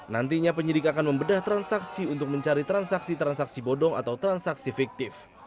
nantinya penyidik akan membedah transaksi untuk mencari transaksi transaksi bodong atau transaksi fiktif